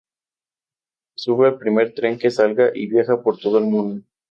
Sube al primer tren que salga y viaja por todo el mundo.